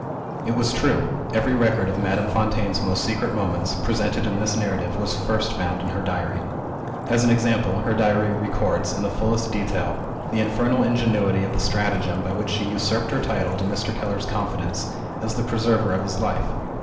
It was true! Every record of Madame Fontaine's most secret moments, presented in this narrative, was first found in her Diary. As an example: Her Diary records, in the fullest detail, the infernal ingenuity of the stratagem by which she usurped her title to Mr. Keller's confidence, as the preserver of his life.